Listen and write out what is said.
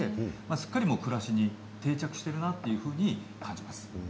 すっかり暮らしに定着してるなというふうに感じました。